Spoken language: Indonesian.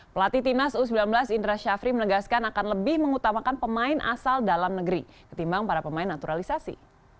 pelatih timnas u sembilan belas indra syafri menegaskan akan lebih mengutamakan pemain asal dalam negeri ketimbang para pemain naturalisasi